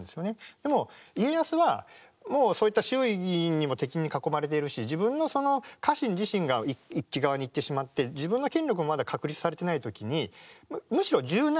でも家康はもうそういった周囲にも敵に囲まれているし自分の家臣自身が一揆側に行ってしまって自分の権力もまだ確立されてない時にむしろ柔軟に対応した。